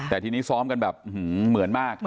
แต่ทีนี้ซ้อมกันแบบเหมือนมาก